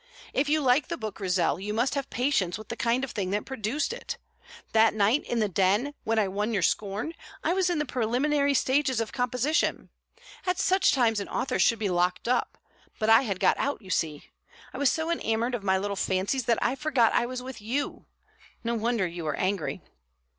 "If you like the book, Grizel, you must have patience with the kind of thing that produced it. That night in the Den, when I won your scorn, I was in the preliminary stages of composition. At such times an author should be locked up; but I had got out, you see. I was so enamoured of my little fancies that I forgot I was with you. No wonder you were angry."